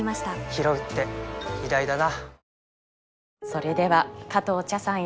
ひろうって偉大だな